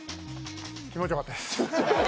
気持ちよかったです。